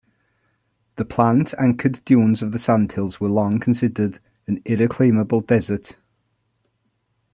The plant-anchored dunes of the Sandhills were long considered an irreclaimable desert.